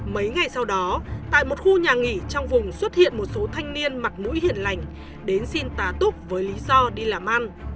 mấy ngày sau đó tại một khu nhà nghỉ trong vùng xuất hiện một số thanh niên mặc mũi hiền lành đến xin tà túc với lý do đi làm ăn